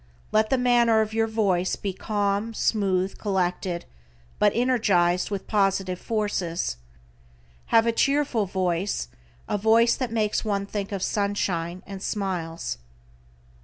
Let the manner of your voice be calm, smooth, collected, but energized with positive forces. Have a cheerful voice, a voice that makes one think of sunshine and smiles.